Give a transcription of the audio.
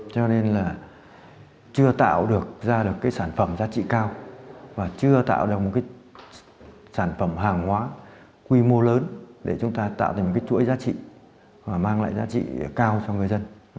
cho nên là chưa tạo ra được sản phẩm giá trị cao và chưa tạo được sản phẩm hàng hóa quy mô lớn để chúng ta tạo được chuỗi giá trị và mang lại giá trị cao cho người dân